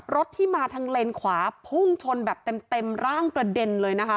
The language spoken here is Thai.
รถที่มาทางเลนขวาพุ่งชนแบบเต็มร่างกระเด็นเลยนะคะ